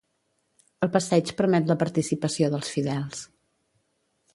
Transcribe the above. El passeig permet la participació dels fidels.